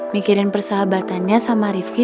mikirin persahabatannya sama rifki